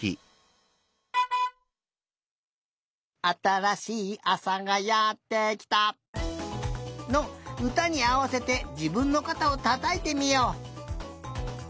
「あたらしいあさがやってきた」のうたにあわせてじぶんのかたをたたいてみよう！